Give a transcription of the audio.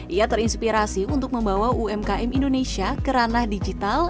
ia terinspirasi untuk membawa umkm indonesia ke ranah digital